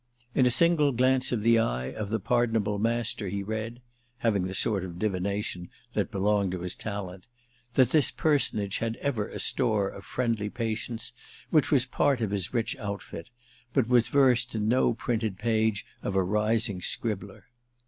In a single glance of the eye of the pardonable Master he read—having the sort of divination that belonged to his talent—that this personage had ever a store of friendly patience, which was part of his rich outfit, but was versed in no printed page of a rising scribbler.